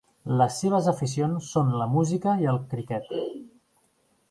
Les seves aficions són la música i el criquet.